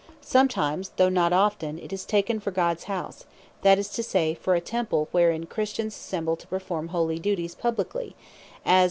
Sometimes (though not often) it is taken for Gods House, that is to say, for a Temple, wherein Christians assemble to perform holy duties publiquely; as, 1 Cor.